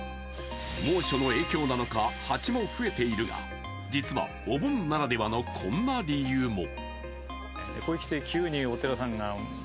猛暑の影響なのか、ハチも増えているが実はお盆ならではのこんな理由も。